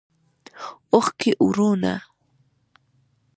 اوښکې اورونه